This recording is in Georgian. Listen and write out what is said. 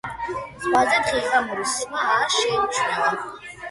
ზღვაზე დღეღამური სვლა არ შეიმჩნევა.